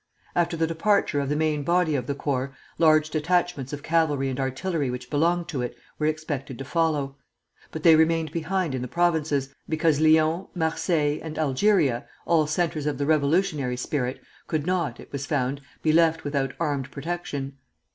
After the departure of the main body of the corps, large detachments of cavalry and artillery which belonged to it were expected to follow; but they remained behind in the provinces, because Lyons, Marseilles, and Algeria, all centres of the revolutionary spirit, could not, it was found, be left without armed protection.